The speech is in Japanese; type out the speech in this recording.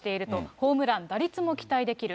ホームラン、打率も期待できる。